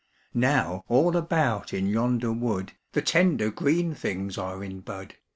Now all about in yonder wood The tender green things are in bud.